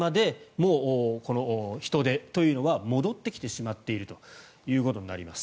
もうこの人出というのは戻ってきてしまっているということになります。